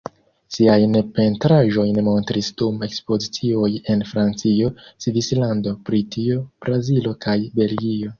Siajn pentraĵojn montris dum ekspozicioj en Francio, Svislando, Britio, Brazilo kaj Belgio.